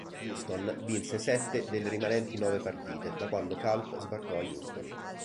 Houston vinse sette delle rimanenti nove partite da quando Culp sbarcò a Houston.